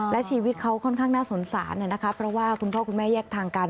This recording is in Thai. และชีวิตเขาค่อนข้างน่าสงสารนะคะเพราะว่าคุณพ่อคุณแม่แยกทางกัน